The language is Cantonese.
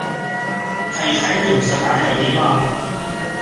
係睇你唔順眼又點呀！